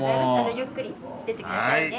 ゆっくりしていって下さいね。